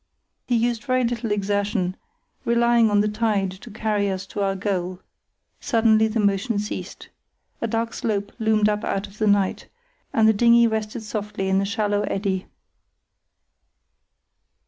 He used very little exertion, relying on the tide to carry us to our goal. Suddenly the motion ceased. A dark slope loomed up out of the night, and the dinghy rested softly in a shallow eddy.